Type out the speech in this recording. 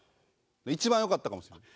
一番よかったかもしれない。